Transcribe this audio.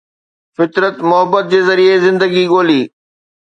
فطرت محبت جي ذريعي زندگي ڳولي